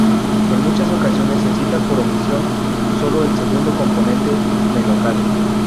En muchas ocasiones se cita por omisión solo el segundo componente: Menocal.